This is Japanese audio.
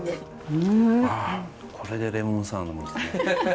ああこれでレモンサワー呑むんですね。